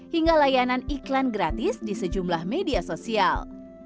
hingga layanan iklan gratis di sejumlah media sosial